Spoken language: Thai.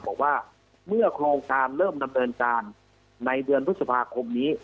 บอกว่าเมื่อโครงการเริ่มดำเนินการในเดือนพฤษภาคมนี้